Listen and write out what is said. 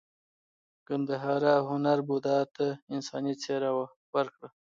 ګندهارا هنر بودا ته انساني څیره ورکړه